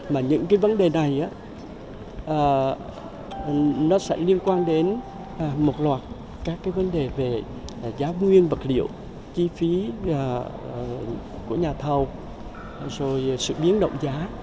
mà những cái vấn đề này nó sẽ liên quan đến một loạt các cái vấn đề về giá nguyên vật liệu chi phí của nhà thầu rồi sự biến động giá